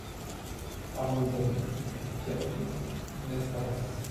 Hameau Isaby, Pierrefitte-Nestalas